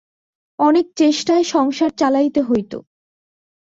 অনেক চেষ্টায় সংসার চালাইতে হইত।